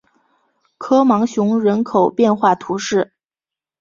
科芒雄人口变化图示